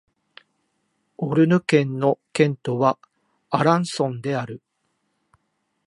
オルヌ県の県都はアランソンである